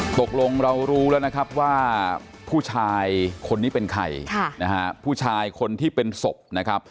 ตกลงเรารู้แล้วนะครับว่าผู้ชายคนนี้เป็นใครนะฮะผู้ชายคนที่เป็นศพนะครับ